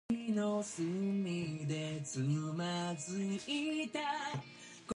Other autonomous bodies are in the capitals of other provinces of the region.